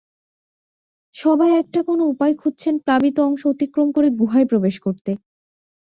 সবাই একটা কোনো উপায় খুঁজছেন প্লাবিত অংশ অতিক্রম করে গুহায় প্রবেশ করতে।